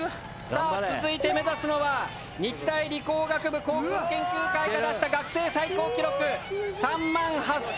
さあ続いて目指すのは日大理工学部航空研究会が出した学生最高記録３８０１０ｍ。